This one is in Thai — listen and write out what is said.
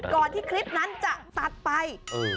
ที่คลิปนั้นจะตัดไป